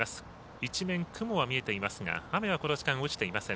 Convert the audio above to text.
一面、雲は見えていますが雨はこの時間、落ちていません。